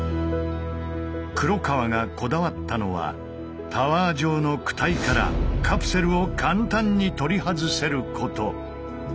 黒川がこだわったのはタワー状の躯体からカプセルを簡単に取り外せること。